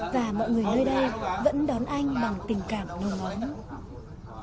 và mọi người nơi đây vẫn đón anh bằng tình cảm nổi ngóng